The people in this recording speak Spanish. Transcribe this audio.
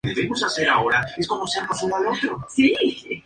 Era considerado entonces como "poeta de nota".